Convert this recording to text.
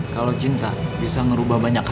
kalau cinta bisa merubah banyak hal